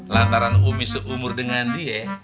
lantaran umi seumur dengan dia